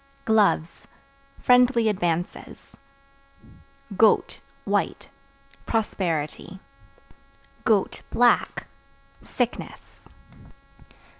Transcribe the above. Gloves Friendly advances. Goat (White) prosperity; (black) sickness.